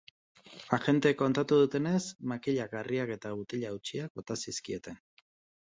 Agenteek kontatu dutenez, makilak, harriak eta botila hautsiak bota zizkieten.